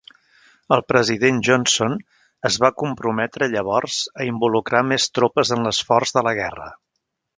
El president Johnson es va comprometre llavors a involucrar més tropes en l'esforç de la guerra.